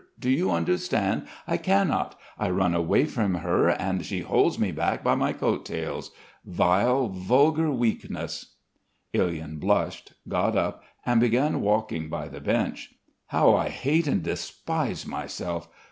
Do you understand? I cannot! I run away from her and she holds me back by my coattails. Vile, vulgar weakness." Ilyin blushed, got up, and began walking by the bench: "How I hate and despise myself.